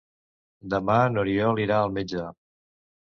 Demà n'Oriol irà al metge.